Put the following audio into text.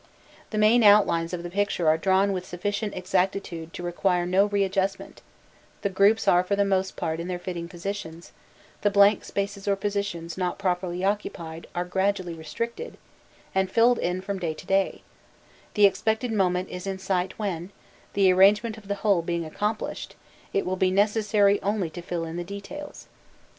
The main outlines of the picture are drawn with sufficient exactitude to require no readjustment, the groups are for the most part in their fitting positions, the blank spaces or positions not properly occupied are gradually restricted, and filled in from day to day; the expected moment is in sight when, the arrangement of the whole being accomplished, it will be necessary only to fill in the details.